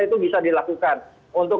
itu bisa dilakukan untuk